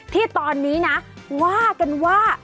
ที่ตอนนี้นะว่ากันว่า